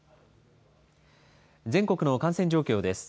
全国の感染状況です。